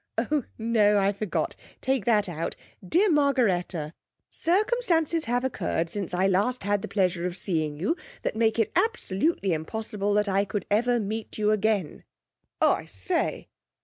'Oh no, I forgot. Take that out. Dear Margaretta. Circumstances have occurred since I last had the pleasure of seeing you that make it absolutely impossible that I could ever meet you again.' 'Oh, I say!'